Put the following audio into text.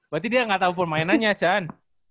berarti dia gak tau permainannya chan